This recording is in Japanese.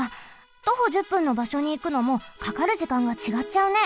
徒歩１０分のばしょにいくのもかかる時間がちがっちゃうね。